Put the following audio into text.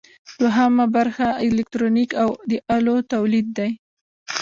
دوهم برخه الکترونیک او د الو تولید دی.